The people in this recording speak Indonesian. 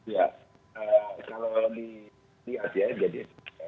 ya kalau di asia aja deh